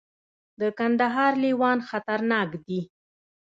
د کندهار لیوان خطرناک دي